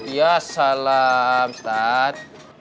ya salam ustadz